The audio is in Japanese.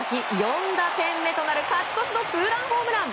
この日、４打点目となる勝ち越しのツーランホームラン。